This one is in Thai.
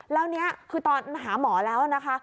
แล้วนี่คือตอนหาหมอแล้วนะคะ